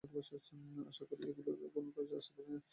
আশা করি সেগুলি কোন কাজে আসতে পারে।